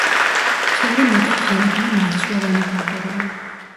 ქერი მეტად ღირებული მარცვლოვანი კულტურაა.